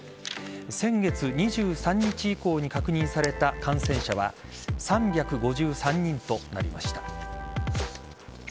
先月２３日以降に確認された感染者は３５３人となりました。